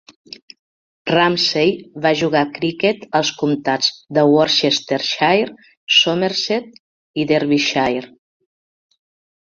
Rumsey va jugar a criquet als comtats de Worcestershire, Somerset i Derbyshire.